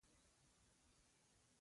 چوکۍ له قالینو سره ښه ښکاري.